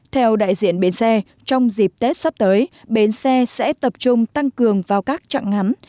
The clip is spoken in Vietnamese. theo đại diện bến xe trong dịp tết sắp tới bến xe sẽ tập trung tăng cường vào các trạng ngắn